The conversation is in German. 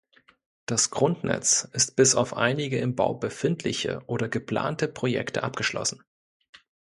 Das Grundnetz ist bis auf einige im Bau befindliche oder geplante Projekte abgeschlossen.